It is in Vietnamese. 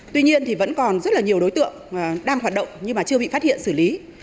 tuy nhiên thì vẫn còn rất là nhiều đối tượng đang hoạt động nhưng mà chưa bị phát hiện xử lý